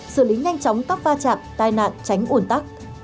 xử lý nhanh chóng các va chạm tai nạn tránh ủn tắc